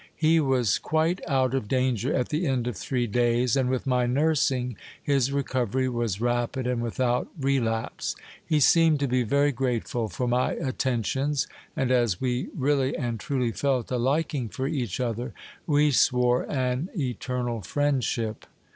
He was quite out of danger at the end of three days, and with my nursing, his recovery was rapid and without relapse. He seemed to be very grateful for my attentions ; and as we really and truly felt a liking for each other, we swore an eternal friendship.